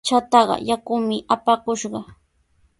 Chataqa yakumi apakushqa.